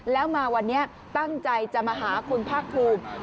แล้วมาวันนี้ตั้งใจจะมาหาคุณภาคภูมิ